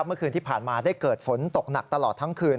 เมื่อคืนที่ผ่านมาได้เกิดฝนตกหนักตลอดทั้งคืน